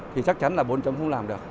thì chắc chắn là bốn chấm không làm được